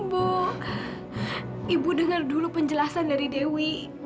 bu ibu dengar dulu penjelasan dari dewi